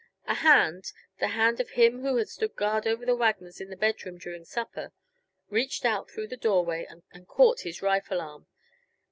A hand the hand of him who had stood guard over the Wagners in the bedroom during supper reached out through the doorway and caught his rifle arm.